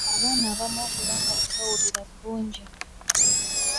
Abaana abamu okuba nga tebawulira bulungi.